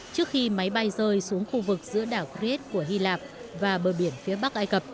trước khi máy bay rơi xuống khu vực giữa đảo crid của hy lạp và bờ biển phía bắc ai cập